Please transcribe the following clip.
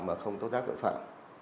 và không tố tác tội phạm